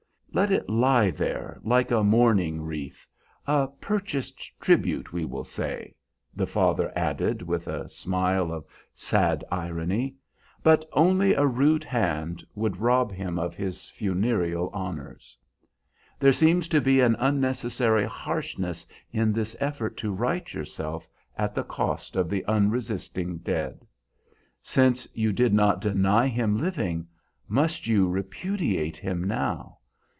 Let it lie there like a mourning wreath, a purchased tribute, we will say," the father added, with a smile of sad irony; "but only a rude hand would rob him of his funereal honors. There seems to be an unnecessary harshness in this effort to right yourself at the cost of the unresisting dead. Since you did not deny him living, must you repudiate him now?